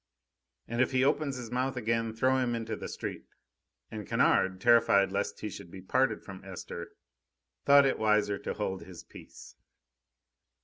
"And if he opens his mouth again throw him into the street!" And Kennard, terrified lest he should be parted from Esther, thought it wiser to hold his peace.